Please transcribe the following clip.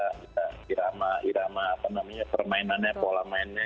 kita irama irama permainannya pola mainnya